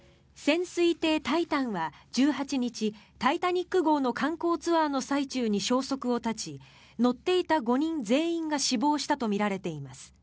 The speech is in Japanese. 潜水艇「タイタン」は１８日「タイタニック号」の観光ツアーの最中に消息を絶ち乗っていた５人全員が死亡したとみられています。